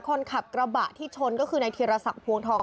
คนขับกระบะที่ชนก็คือในเทียรสักพวง